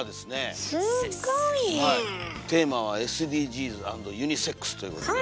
「テーマはＳＤＧｓ＆ユニセックス」ということで。